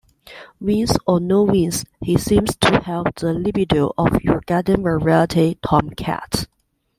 Wings or no wings, he seems to have the libido of your garden-variety tomcat.